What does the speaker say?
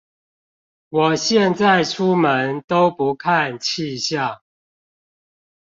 我現在出門都不看氣象